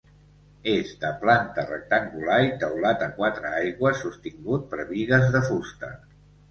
És de planta rectangular i teulat a quatre aigües sostingut per bigues de fusta.